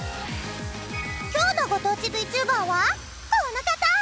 今日のご当地ＶＴｕｂｅｒはこの方！